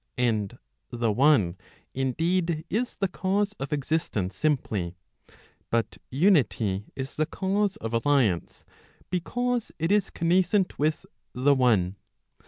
And the one indeed is the cause of existence simply ; but unity is the cause of alliance, because it is connascent with the one.